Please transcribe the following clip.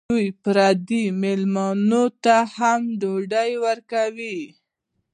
دوی پردو مېلمنو ته هم ډوډۍ ورکوله.